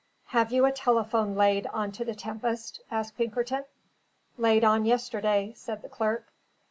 "Have you a telephone laid on to the Tempest?" asked Pinkerton. "Laid on yesterday," said the clerk.